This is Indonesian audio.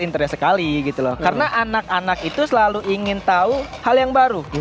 interes sekali gitu loh karena anak anak itu selalu ingin tahu hal yang baru